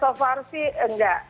so far sih enggak